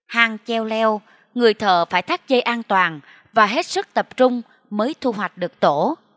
hang treo leo người thợ phải thắt dây an toàn và hết sức tập trung mới thu hoạch được tổ